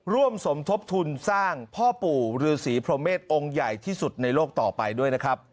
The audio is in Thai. ร่วมสมทบทุนสร้างพ่อปู่ฤษีพรหมเมษองค์ใหญ่ที่สุดในโลกต่อไปด้วยนะครับ